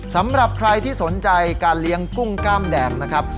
สำหรับใครที่สนใจการเลี้ยงกุ้งกล้ามแดงนะครับ